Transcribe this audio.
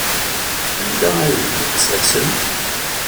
Anda ay tent-tessersem?